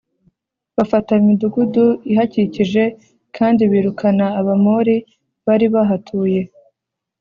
Bafata imidugudu ihakikije kandi birukana Abamori bari bahatuye